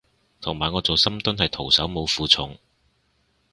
同埋我做深蹲係徒手冇負重